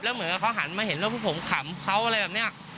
เหมือนกับเขาหันมาเห็นว่าพวกผมขำเขาอะไรแบบนี้